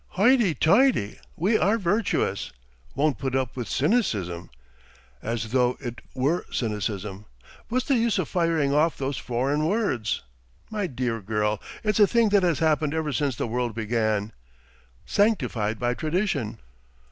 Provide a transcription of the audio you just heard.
"Hoity toity! We are virtuous! ... Won't put up with cynicism? As though it were cynicism! What's the use of firing off those foreign words? My dear girl, it's a thing that has happened ever since the world began, sanctified by tradition.